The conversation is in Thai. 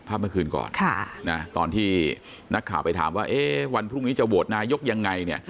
เมื่อคืนก่อนตอนที่นักข่าวไปถามว่าวันพรุ่งนี้จะโหวตนายกยังไงเนี่ย